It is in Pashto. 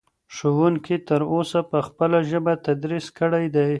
ښوونکي تر اوسه په خپله ژبه تدریس کړی دی.